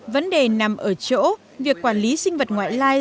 vấn đề nằm ở chỗ việc quản lý sinh vật ngoại lai